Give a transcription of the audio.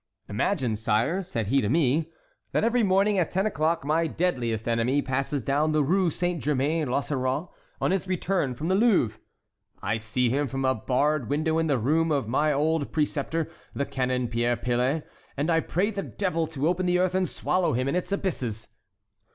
"'Imagine, sire,' said he to me, 'that every morning, at ten o'clock, my deadliest enemy passes down the Rue Saint Germain l'Auxerrois, on his return from the Louvre. I see him from a barred window in the room of my old preceptor, the Canon Pierre Piles, and I pray the devil to open the earth and swallow him in its abysses.'